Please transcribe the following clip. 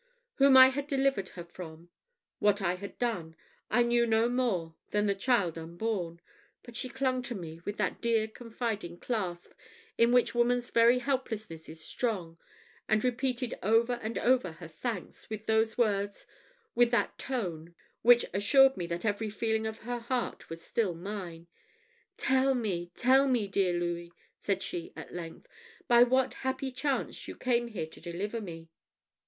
Whom I had delivered her from what I had done I knew no more than the child unborn; but she clung to me with that dear confiding clasp, in which woman's very helplessness is strong, and repeated over and over her thanks, with those words, with that tone, which assured me that every feeling of her heart was still mine. "Tell me, tell me, dear Louis!" said she at length, "by what happy chance you came here to deliver me!"